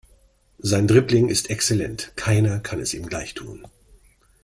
Sein Dribbling ist exzellent, keiner kann es ihm gleich tun.